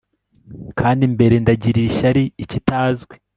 Kandi mbere ndagirira ishyari ikitazwi